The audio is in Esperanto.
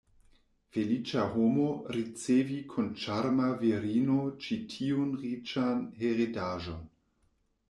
Feliĉa homo, ricevi kun ĉarma virino ĉi tiun riĉan heredaĵon!